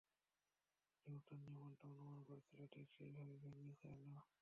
Newton যেমনটা অনুমান করেছিলেন ঠিক সেই ভাবেই ভেঙেছে আলো।